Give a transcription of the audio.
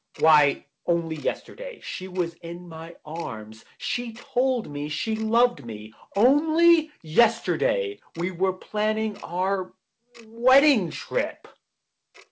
Why, only yesterday, she was in my arms, she told me she loved me. Only yesterday, we were planning our — wedding trip.